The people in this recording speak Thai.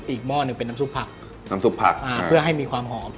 อีกหม้อนึงเป็นน้ำซุปผัก